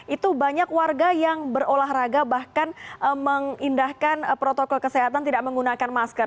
itu banyak warga yang berolahraga bahkan mengindahkan protokol kesehatan tidak menggunakan masker